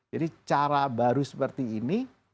jadi cara baru seperti ini